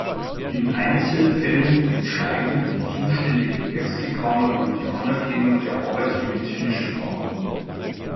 In Einzelfällen entscheidet die zuständige Ärztekammer über die Anerkennung der arbeitsmedizinischen Fachkunde.